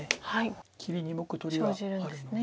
切り２目取りがあるので。